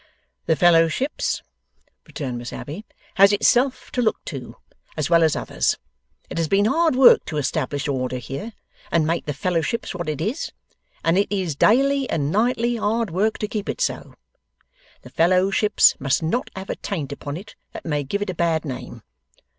'The Fellowships,' returned Miss Abbey, 'has itself to look to, as well as others. It has been hard work to establish order here, and make the Fellowships what it is, and it is daily and nightly hard work to keep it so. The Fellowships must not have a taint upon it that may give it a bad name.